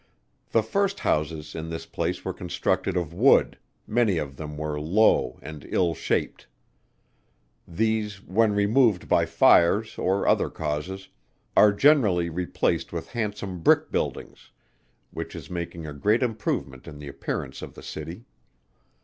The first houses in this place were constructed of wood, many of them were low and ill shaped. These when removed by fires or other causes, are generally replaced with handsome brick buildings, which is making a great improvement in the appearance of the city.